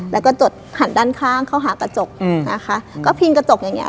แล้วก็จดหันด้านข้างเข้าหากระจกอืมนะคะก็พิงกระจกอย่างเงี้